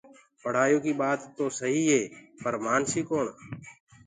پڙهآئيو ڪي ٻآت توسهيٚ پر مآنسيٚ ڪوڻ